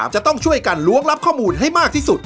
จะต้องช่วยกันล้วงรับข้อมูลให้มากที่สุด